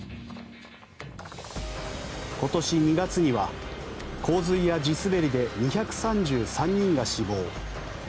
今年２月には洪水や地滑りで２３３人が死亡。